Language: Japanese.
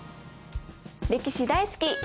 歴史大好き！